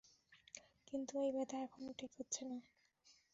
কিন্তু এই ব্যথা এখনো ঠিক হচ্ছে না।